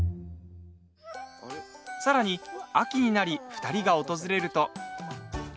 さらに、秋になり２人が訪れると。